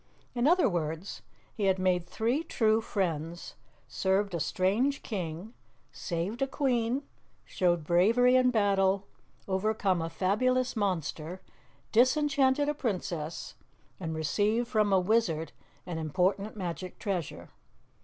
In other words, he had made three true friends, served a strange King, saved a Queen, showed bravery in battle, overcome a fabulous monster, disenchanted a Princess, and received from a Wizard an important magic treasure.